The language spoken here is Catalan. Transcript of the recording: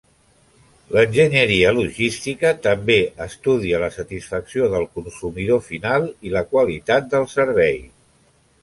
L'enginyeria logística també estudia la satisfacció del consumidor final i la qualitat del servei.